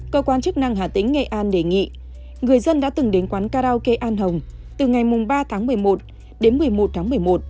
cơ quan chức năng hà tĩnh nghệ an đề nghị người dân đã từng đến quán karaoke an hồng từ ngày ba tháng một mươi một đến một mươi một tháng một mươi một